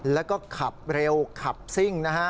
แล้วก็ขับเร็วขับซิ่งนะฮะ